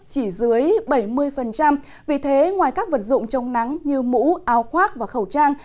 chỉ dưới bảy mươi vì thế ngoài các vật dụng trong nắng như mũ áo khoác và khẩu trang